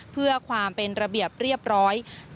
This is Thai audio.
เพื่อความเป็นระเบียบเรียบร้อย